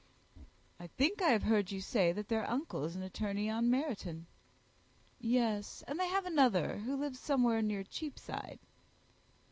"I think I have heard you say that their uncle is an attorney in Meryton?" "Yes; and they have another, who lives somewhere near Cheapside."